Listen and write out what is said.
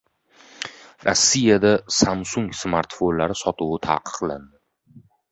Rossiyada Samsung smartfonlari sotuvi ta’qiqlandi